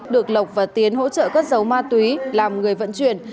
được lộc và tiến hỗ trợ cất giấu ma túy làm người vận chuyển